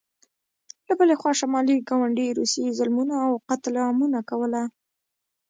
له بلې خوا شمالي ګاونډي روسیې ظلمونه او قتل عامونه کول.